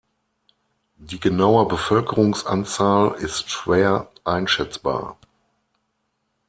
Die genaue Bevölkerungsanzahl ist schwer einschätzbar.